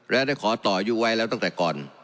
และได้ขอต่ออายุไว้แล้วตั้งแต่ก่อน